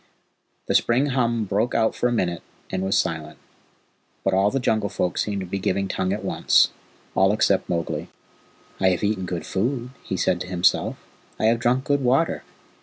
The spring hum broke out for a minute, and was silent, but all the Jungle Folk seemed to be giving tongue at once. All except Mowgli. "I have eaten good food," he said to himself. "I have drunk good water.